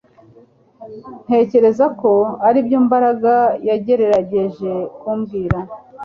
Ntekereza ko aribyo Mbaraga yagerageje kumbwira